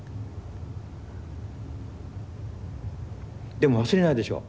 でも忘れないでしょう